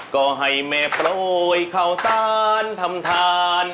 ก็ให้แม่โปรยข้าวสารทำทาน